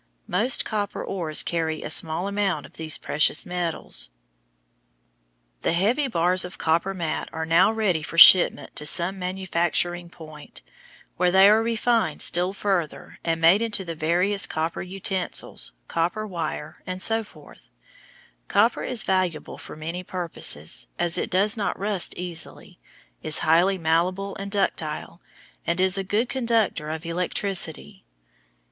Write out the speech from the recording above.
Most copper ores carry a small amount of these precious metals. The heavy bars of copper matte are now ready for shipment to some manufacturing point, where they are refined still further and made into the various copper utensils, copper wire, etc. Copper is valuable for many purposes, as it does not rust easily, is highly malleable and ductile, and is a good conductor of electricity.